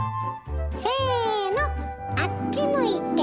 せのあっち向いてホイ！